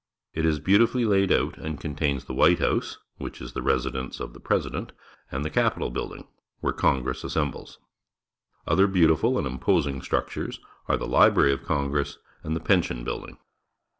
It is beautifully laid out and contains the White House, which is the residence of the President, and the Capitol Building, where Congress as sembles. Other beautiful and imposing structures are the Library of Congress and the Pension Building.